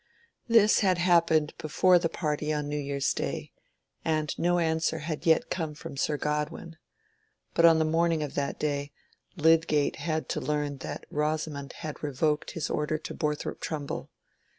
This had happened before the party on New Year's Day, and no answer had yet come from Sir Godwin. But on the morning of that day Lydgate had to learn that Rosamond had revoked his order to Borthrop Trumbull.